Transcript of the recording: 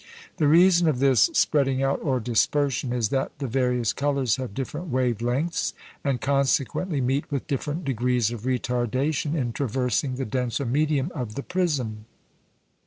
The reason of this spreading out or "dispersion" is that the various colours have different wave lengths, and consequently meet with different degrees of retardation in traversing the denser medium of the prism.